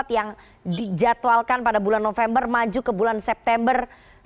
yang dijadwalkan pada bulan november maju ke bulan september dua ribu dua puluh